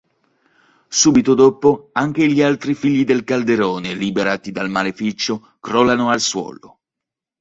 Subito dopo anche gli altri Figli del Calderone, liberati dal maleficio, crollano al suolo.